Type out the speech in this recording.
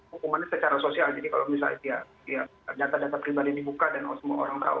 hukumannya secara sosial jadi kalau misalnya dia data data pribadi dibuka dan semua orang tahu